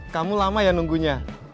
kamu lama ya nunggunya